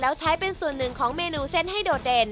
แล้วใช้เป็นส่วนหนึ่งของเมนูเส้นให้โดดเด่น